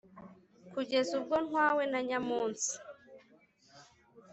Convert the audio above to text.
kugeza ubwo ntwawe na nyamunsi